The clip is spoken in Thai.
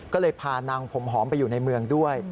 ก็เลยพานางผมหอมไปอยู่ในเมืองด้วย